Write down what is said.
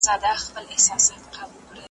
لیکوال د خپلو اتلانو په دردونو دردمند کېده.